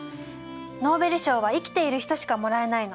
ノーベル賞は生きている人しかもらえないの。